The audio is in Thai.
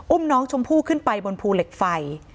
น้องชมพู่ขึ้นไปบนภูเหล็กไฟ